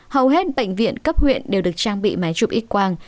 hầu hết bệnh viện cấp huyện đều được trang bị máy chụp x quang